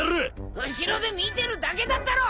後ろで見てるだけだったろ！